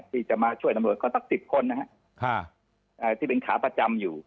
ที่จะมาช่วยตำรวจก็สัก๑๐คนนะฮะที่เป็นขาประจำอยู่